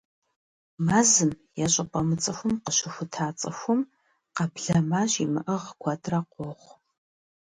Мэзым е щӀыпӀэ мыцӀыхум къыщыхута цӀыхум къэблэмэ щимыӀыгъ куэдрэ къохъу.